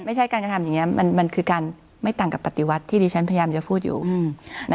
ไม่ใช่การกระทำอย่างนี้มันคือการไม่ต่างกับปฏิวัติที่ดิฉันพยายามจะพูดอยู่